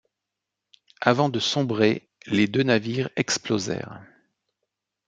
Avant de sombrer, les deux navires explosèrent.